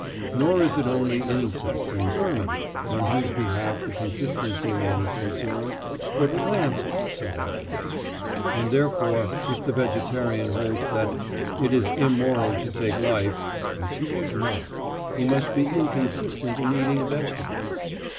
Nor is it only insects and "vermin" on whose behalf the consistency man is concerned, for plants also have life, and therefore if the vegetarian holds that "it is immoral to take life" (which he does not), he must be inconsistent in eating vegetables.